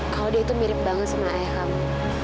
kalau dia itu mirip banget sama ayah kamu